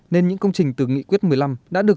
nên những công trình từ nghị quyết một mươi năm đã được